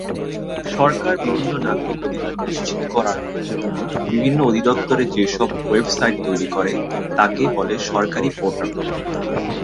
সরকার বিভিন্ন নাগরিক অধিকার নিশ্চিত করার জন্য বিভিন্ন দপ্তরের যেসব ওয়েবসাইট তৈরি করে তাকে বলে সরকারি পোর্টাল।